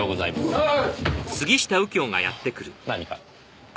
はい。